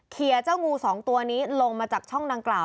เจ้างูสองตัวนี้ลงมาจากช่องดังกล่าว